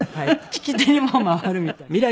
聞き手にもう回るみたいな。